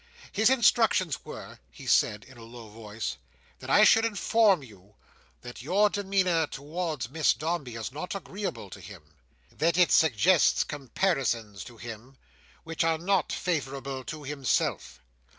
"His instructions were," he said, in a low voice, "that I should inform you that your demeanour towards Miss Dombey is not agreeable to him. That it suggests comparisons to him which are not favourable to himself.